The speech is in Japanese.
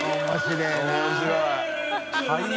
面白いな。